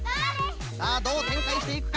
さあどうてんかいしていくか。